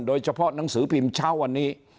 โดยเฉพาะหนังสือพิมพ์เช้าวันนี้